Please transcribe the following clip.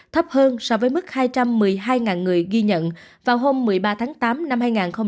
thấp hơn so với mức hai trăm một mươi hai người ghi nhận vào hôm một mươi ba tháng tám năm hai nghìn một mươi chín